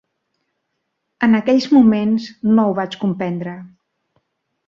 En aquells moments no ho vaig comprendre